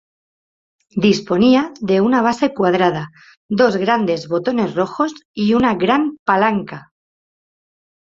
Disponía de una base cuadrada, dos grandes botones rojos y una gran palanca.